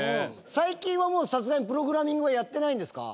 最近はもうさすがにプログラミングはやってないんですか？